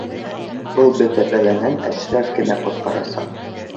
Был бөтә бәләнән Әшрәф кенә ҡотҡарасаҡ